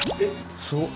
すごっ。